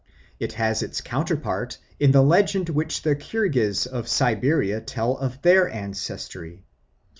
It has its counterpart in the legend which the Kirghiz of Siberia tell of their ancestry.